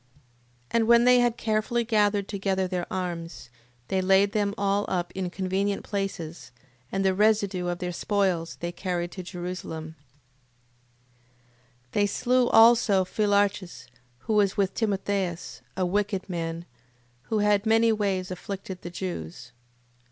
8:31. And when they had carefully gathered together their arms, they laid them all up in convenient places, and the residue of their spoils they carried to Jerusalem: 8:32. They slew also Philarches, who was with Timotheus, a wicked man, who had many ways afflicted the Jews.